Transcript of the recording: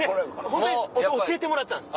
ホントに教えてもらったんです。